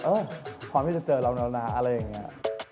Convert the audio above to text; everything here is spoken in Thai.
พร้อมที่จะเจอเราแล้วนะอะไรอย่างนี้